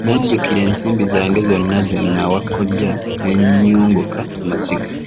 Nnajjukira ensimbi zange zonna ze nawa kkojja ne nnyunguka amaziga.